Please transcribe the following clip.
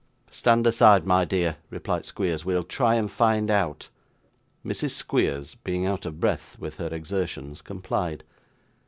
'Stand aside, my dear,' replied Squeers. 'We'll try and find out.' Mrs. Squeers, being out of breath with her exertions, complied.